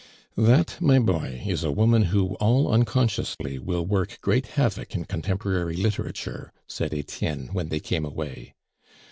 "That, my boy, is a woman who all unconsciously will work great havoc in contemporary literature," said Etienne, when they came away.